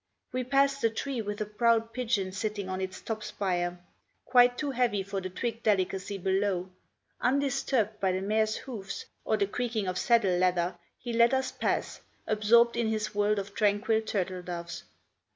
We passed a tree with a proud pigeon sitting on its top spire, quite too heavy for the twig delicacy below; undisturbed by the mare's hoofs or the creaking of saddle leather, he let us pass, absorbed in his world of tranquil turtledoves.